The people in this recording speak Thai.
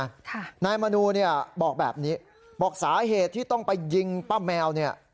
ค่ะนายมนูเนี่ยบอกแบบนี้บอกสาเหตุที่ต้องไปยิงป้าแมวเนี่ย